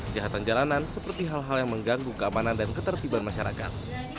jahatan jalanan seperti hal hal yang mengganggu keamanan dan ketertiban masyarakat